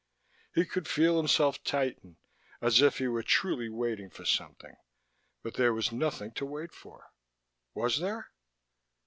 He could feel himself tighten, as if he were truly waiting for something. But there was nothing to wait for. Was there?